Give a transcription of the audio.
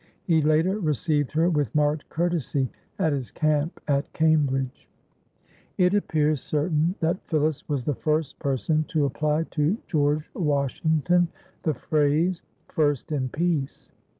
He, later, received her with marked courtesy at his camp at Cambridge. It appears certain that Phillis was the first person to apply to George Washington the phrase, "First in peace."